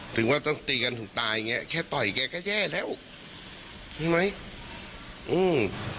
ถึงว่าต้องตีกันถึงตายอย่างเงี้แค่ต่อยแกก็แย่แล้วใช่ไหมอืม